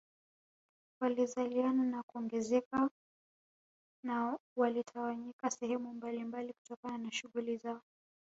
Walizaliana na kuongezeka na walitawanyika sehemu mbalimbali kutokana na shughuli zao